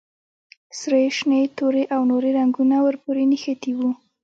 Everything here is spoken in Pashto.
سرې، شنې، تورې او نورې رنګونه ور پورې نښتي وو.